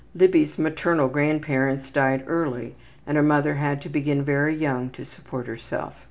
Libby's maternal grandparents died early and her mother had to begin very young to support herself.